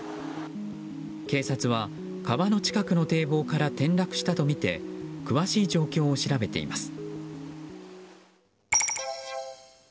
警察は、川の近くの堤防から転落したとみて詳しい状況を調べています。